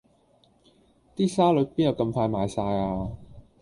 啲沙律邊有咁快賣晒呀